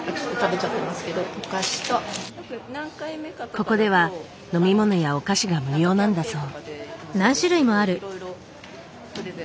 ここでは飲み物やお菓子が無料なんだそう。